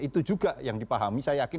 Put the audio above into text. itu juga yang dipahami saya yakin